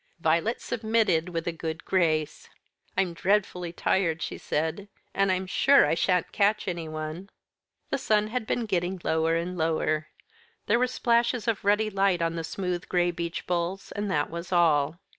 Violet submitted with a good grace. "I'm dreadfully tired," she said, "and I'm sure I shan't catch anyone." The sun had been getting lower and lower. There were splashes of ruddy light on the smooth gray beech boles, and that was all.